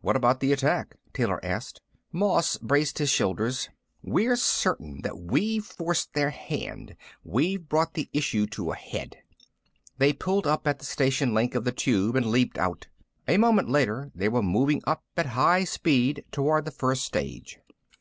"What about the attack?" Taylor asked. Moss braced his shoulders. "We're certain that we've forced their hand. We've brought the issue to a head." They pulled up at the station link of the Tube and leaped out. A moment later they were moving up at high speed toward the first stage.